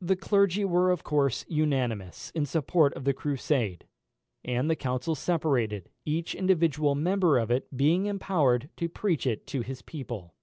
The clergy were of course unanimous in support of the Crusade; and the council separated, each individual member of it being empowered to preach it to his people.